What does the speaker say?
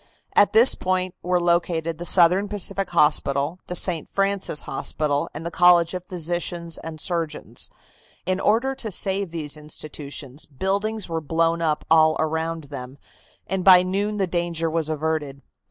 At this point were located the Southern Pacific Hospital, the St. Francis Hospital and the College of Physicians and Surgeons. In order to save these institutions, buildings were blown up all around them, and by noon the danger was averted.